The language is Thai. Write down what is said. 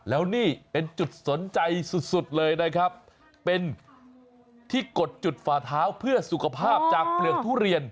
แล้วนี่เป็นจุดสนใจสุดสุดเลยนะครับเป็นที่กดจุดฝ่าเท้าเพื่อสุขภาพจากเปลือกทุเรียน